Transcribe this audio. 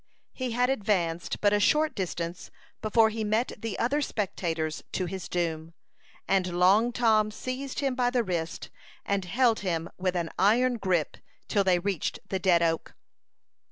He had advanced but a short distance before he met the other spectators to his doom, and Long Tom seized him by the wrist, and held him with an iron gripe till they reached the dead oak.